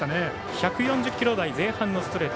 １４０キロ台前半のストレート。